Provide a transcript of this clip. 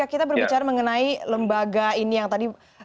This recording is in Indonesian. kita berbicara mengenai lembaga ini yang tadi